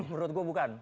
hmm menurut gua bukan